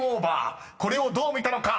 これをどう見たのか⁉］